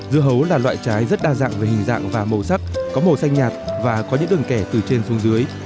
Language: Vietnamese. dưa hấu là loại trái rất đa dạng về hình dạng và màu sắc có màu xanh nhạt và có những đường kẻ từ trên xuống dưới